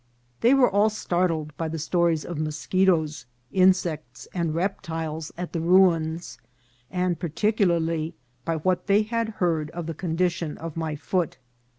They were all start led by the stories of moschetoes, insects, and reptiles at the ruins, and particularly by what they had heard of the condition of my foot.